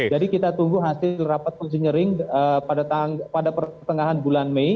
jadi kita tunggu hasil rapat konsinyering pada pertengahan bulan mei